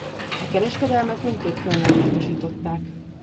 A kereskedelmet mindkét félnek biztosították.